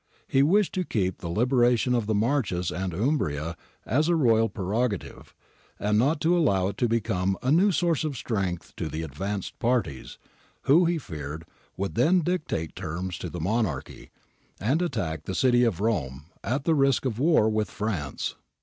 He wished to keep the liberation of the Marches and Umbria as a royal prerogative, and not to allow it to become a new source of strength to the advanced parties, who, he feared, would then dictate terms to the Monarchy and attack the city of Rome at the risk of a war with France.